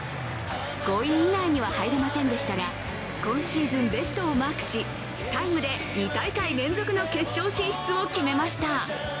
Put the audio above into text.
５位以内には入れませんでしたが、今シーズンベストをマークし、タイムで２大会連続の決勝進出を決めました。